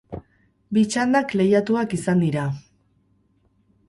Bi txandak lehiatuak izan dira.